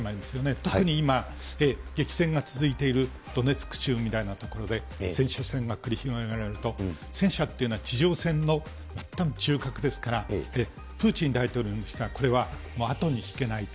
特に今、激戦が続いているドネツク州みたいな所で戦車戦が繰り広げられると、戦車っていうのは地上戦の最も中核ですから、プーチン大統領にしたら、これは後に引けないと。